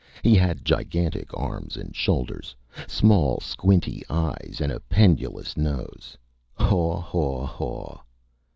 He had gigantic arms and shoulders, small squinty eyes, and a pendulous nose. "Haw haw haw!..."